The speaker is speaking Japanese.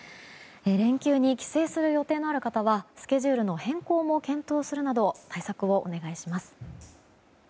連休に帰省する予定のある方はスケジュールの変更も検討するなど対策をお願いします。